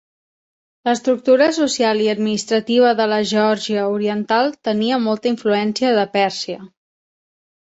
L'estructura social i administrativa de la Geòrgia oriental tenia molta influència de Pèrsia.